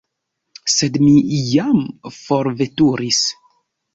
Sed mi jam forveturis.